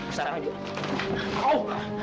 lu lihat tanganmu